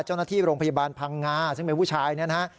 เจ้าหน้าที่โรงพยาบาลพังงาซึ่งเป็นผู้ชายเนี่ยนะฮะ